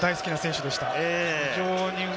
大好きな選手でした。